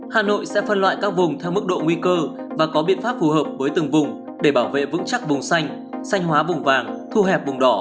hà nội sẽ phân loại các vùng theo mức độ nguy cơ và có biện pháp phù hợp với từng vùng để bảo vệ vững chắc vùng xanh sanh hóa vùng vàng thu hẹp vùng đỏ